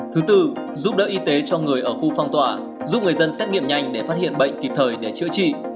thứ tư giúp đỡ y tế cho người ở khu phong tỏa giúp người dân xét nghiệm nhanh để phát hiện bệnh kịp thời để chữa trị